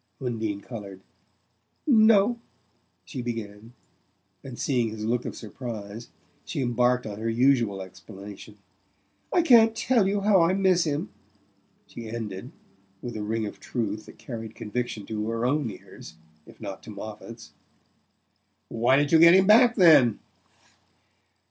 Undine coloured. "No " she began; and seeing his look of surprise, she embarked on her usual explanation. "I can't tell you how I miss him," she ended, with a ring of truth that carried conviction to her own ears if not to Moffatt's. "Why don't you get him back, then?"